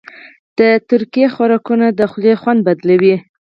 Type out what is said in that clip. د ترکي خوراکونه د خولې خوند بدلوي.